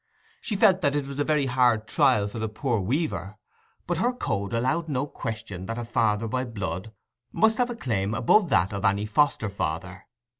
She felt that it was a very hard trial for the poor weaver, but her code allowed no question that a father by blood must have a claim above that of any foster father.